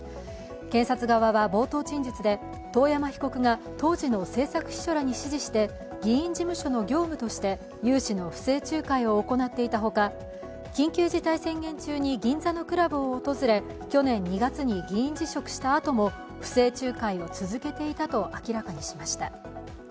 検察側は冒頭陳述で遠山被告が当時の政策秘書らに指示して、議員事務所の業務として融資の不正仲介を行っていたほか、緊急事態宣言中に銀座のクラブを訪れ、去年２月に議員辞職したあとも不正仲介を続けていたと明らかにしました。